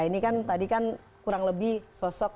ini kan tadi kan kurang lebih sosok seorang kehebatan